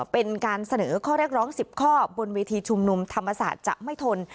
เป็นการเสนอข้อเรียกร้อง๑๐ข้อบนเวทีชุมนุมธรรมศาสตร์จะไม่ทน